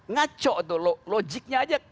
ngaco itu logiknya aja